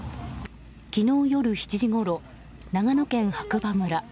昨日夜７時ごろ、長野県白馬村。